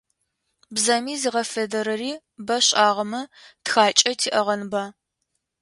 Бзэми зигъэфедэрэри бэ шӏагъэмэ, тхакӏэ тиӏэгъэнба?